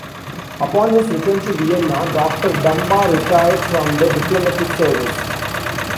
Upon his return to Vienna, Doctor Dumba retired from the diplomatic service.